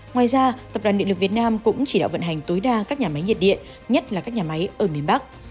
ngoài ra tập đoàn điện lực việt nam cũng chỉ đạo vận hành tối đa các nhà máy nhiệt điện nhất là các nhà máy ở miền bắc